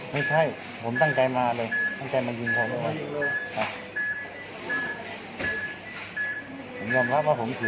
ไม่ใช่ผมตั้งใจมาเลยตั้งใจมาหยิงเขาผมยอมรับว่าผมผิด